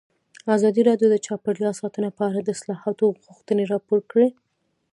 ازادي راډیو د چاپیریال ساتنه په اړه د اصلاحاتو غوښتنې راپور کړې.